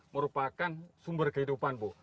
merupakan sumber kehidupan bu